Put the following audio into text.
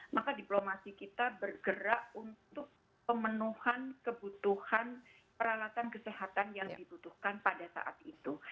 maka diplomasi kita bergerak untuk pemenuhan kebutuhan peralatan kesehatan yang dibutuhkan pada saat itu